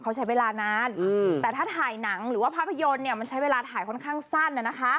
เขาใช้เวลานานแต่ถ้าถ่ายหนังหรือว่าภาพยนตร์มันใช้เวลาถ่ายค่อนข้างสั้น